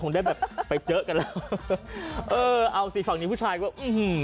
ได้แบบไปเจอกันแล้วเออเอาสิฝั่งนี้ผู้ชายก็อื้อหือ